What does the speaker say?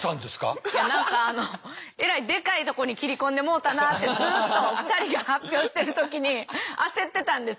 いや何かあのえらいでかいとこに切り込んでもうたなってずっと２人が発表してる時に焦ってたんですよ。